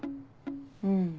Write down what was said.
うん。